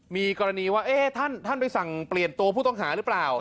มีกรณีว่าท่านไปสั่งเปลี่ยนตัวผู้ต้องหาหรือเปล่า